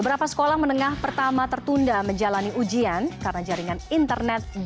beberapa sekolah menengah pertama tertunda menjalani ujian karena jaringan internet down alias mati